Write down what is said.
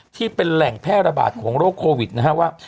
ที่เป็นแหล่งแพร่ระบาดของโรคโควิดนะครับว่า